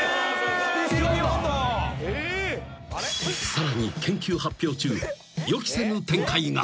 ［さらに研究発表中予期せぬ展開が］